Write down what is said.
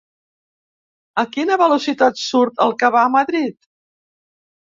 A quina velocitat surt el que va a Madrid?